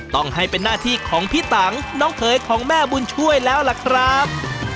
ต้องให้เป็นหน้าที่ของพี่ตังน้องเขยของแม่บุญช่วยแล้วล่ะครับ